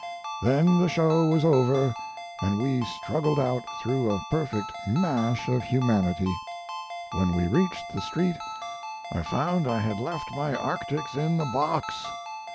then the show was over and we struggled out through a perfect mash of humanity. When we reached the street I found I had left my arctics in the box.